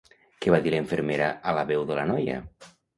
Què va dir l'infermera a La Veu de l'Anoia?